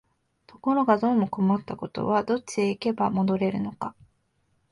ところがどうも困ったことは、どっちへ行けば戻れるのか、